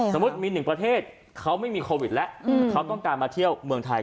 สมมุติมีหนึ่งประเทศเขาไม่มีโควิดแล้วเขาต้องการมาเที่ยวเมืองไทย